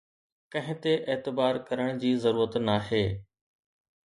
ڪنهن تي اعتبار ڪرڻ جي ضرورت ناهي